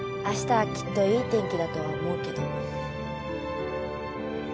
あしたはきっといい天気だとは思うけど。